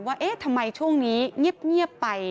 ว่าเอ๊ะทำไมช่วงนี้เงียบไป